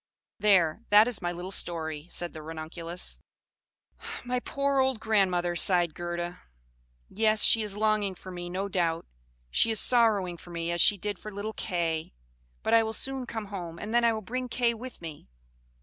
There, that is my little story," said the Ranunculus. "My poor old grandmother!" sighed Gerda. "Yes, she is longing for me, no doubt: she is sorrowing for me, as she did for little Kay. But I will soon come home, and then I will bring Kay with me.